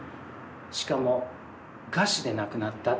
しかも餓死で亡くなった。